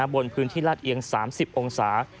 บนพื้นที่ลาดเอียง๓๐องศา